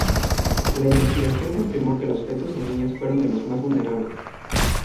La investigación confirmó que fetos y niños fueron los más vulnerables.